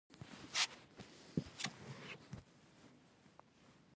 یو بلا ماشوم ته نژدې راغی.